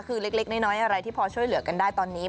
คือเล็กน้อยอะไรที่พอช่วยเหลือกันได้ตอนนี้